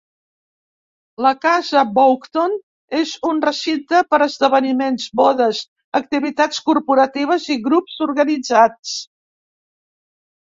La Casa Boughton és un recinte per esdeveniments, bodes, activitats corporatives i grups organitzats.